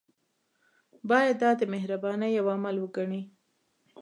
باید دا د مهربانۍ یو عمل وګڼي.